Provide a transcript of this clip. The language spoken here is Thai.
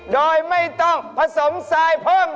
โดยไม่ต้องผสมทรายเพิ่ม